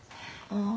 ああ。